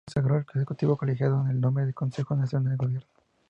Consagró el ejecutivo colegiado con el nombre de Consejo Nacional de Gobierno.